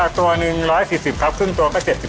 ครับตัวหนึ่ง๑๔๐ครับครึ่งตัวก็๗๐บาทครับ